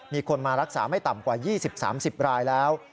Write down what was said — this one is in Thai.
มีคนมารักษาไม่ต่ำกว่า๒๐๓๐รายแล้ว